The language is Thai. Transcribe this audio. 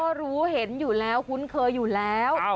ก็รู้เห็นอยู่แล้วคุ้นเคยอยู่แล้ว